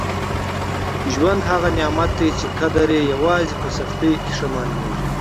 ژوند هغه نعمت دی چي قدر یې یوازې په سختیو کي ښه معلومېږي.